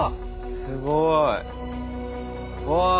すごい。わ。